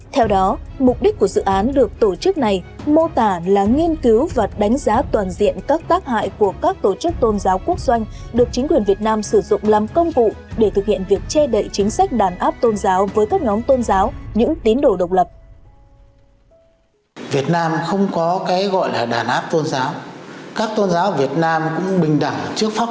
theo đó mục đích của dự án được tổ chức này mô tả là nghiên cứu và đánh giá toàn diện các tác hại của các tổ chức tôn giáo quốc doanh được chính quyền việt nam sử dụng làm công cụ để thực hiện việc che đậy chính sách đàn áp tôn giáo với các nhóm tôn giáo những tín đồ độc lập